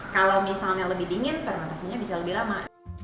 kalau misalnya lebih dingin fermentasinya bisa lebih lama